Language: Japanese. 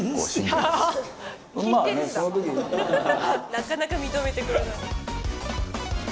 なかなか認めてくれない。